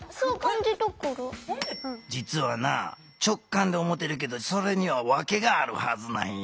じつはな直感って思ってるけどそれにはわけがあるはずなんや。